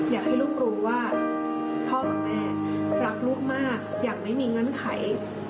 อยากให้ลูกรู้ว่าพ่อกับแม่รักลูกมากอย่างไม่มีเงื่อนไข